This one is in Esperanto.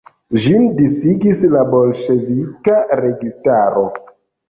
Ĝin disigis la bolŝevika registaro.